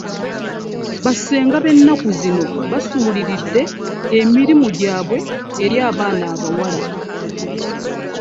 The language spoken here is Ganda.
Bassenga benaku zino basuliriridde emirimu gyabwe eri abaana abawala.